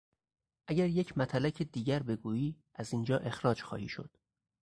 اگر یک متلک دیگر بگویی از این جا اخراج خواهی شد!